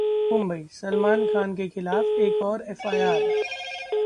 मुंबईः सलमान खान के खिलाफ एक और एफआईआर